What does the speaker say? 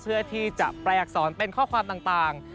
เพื่อที่จะแปลอักษรเป็นข้อความต่าง